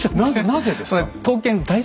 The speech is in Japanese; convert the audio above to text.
なぜですか。